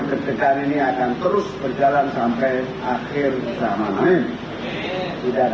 kestebanan orang orang bombarding warga similarityysical